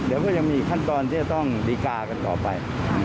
เดี๋ยวก็ยังมีอีกขั้นตอนที่จะต้องดีการ์กันต่อไป